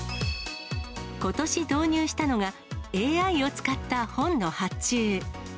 ことし導入したのが、ＡＩを使った本の発注。